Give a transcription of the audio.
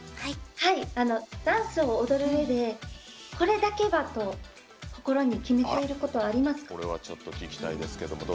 ダンスを踊るうえでこれだけは心に決めていることありますか？